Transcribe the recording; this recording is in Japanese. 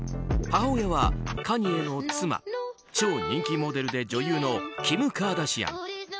母親はカニエの妻超人気モデルで女優のキム・カーダシアン。